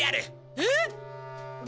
えっ！